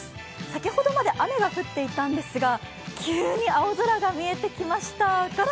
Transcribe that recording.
先ほどまで雨が降っていたんですが、急に青空が見えてきました。